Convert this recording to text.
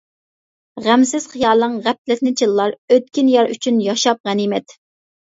غەمسىز خىيالىڭ غەپلەتنى چىللار، ئۆتكىن يار ئۈچۈن ياشاپ غەنىيمەت.